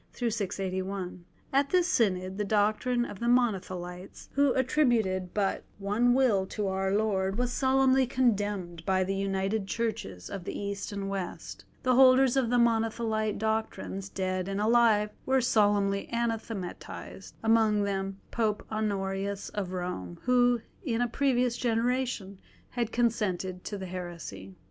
At this Synod, the doctrine of the Monothelites, who attributed but one will to Our Lord, was solemnly condemned by the united Churches of the East and West. The holders of Monothelite doctrines, dead and alive, were solemnly anathematised, among them Pope Honorius of Rome, who in a previous generation had consented to the heresy.